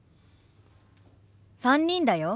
３人だよ。